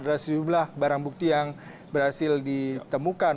ada sejumlah barang bukti yang berhasil ditemukan